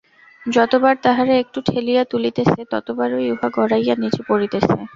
যতবার তাহারা একটু ঠেলিয়া তুলিতেছে, ততবারই উহা গড়াইয়া নীচে পড়িতেছে।